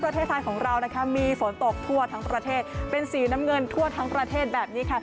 ประเทศไทยของเรานะคะมีฝนตกทั่วทั้งประเทศเป็นสีน้ำเงินทั่วทั้งประเทศแบบนี้ค่ะ